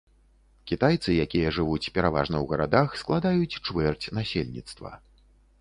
Кітайцы, якія жывуць пераважна ў гарадах, складаюць чвэрць насельніцтва.